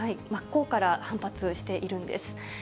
真っ向から反発しているんです。